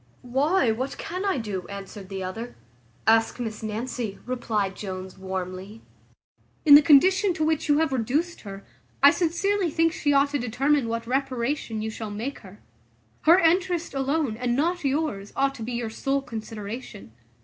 "Why, what can I do?" answered the other. "Ask Miss Nancy," replied Jones warmly. "In the condition to which you have reduced her, I sincerely think she ought to determine what reparation you shall make her. Her interest alone, and not yours, ought to be your sole consideration.